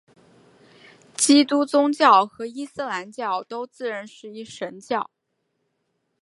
基督宗教和伊斯兰教都自认是一神教。